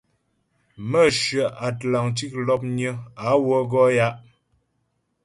Mə̌hyə Atlantik l̀opnyə á wə́ gɔ ya'.